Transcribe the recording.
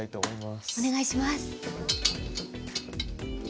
お願いします。